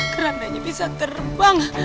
kerandanya bisa terbang